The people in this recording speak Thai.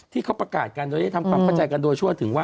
ที่เขาประกาศกันโดยได้ทำความเข้าใจกันโดยชั่วถึงว่า